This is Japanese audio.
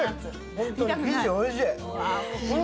本当に生地おいしい。